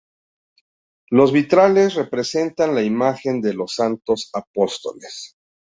Los vitrales representan la imagen de los santos apóstoles.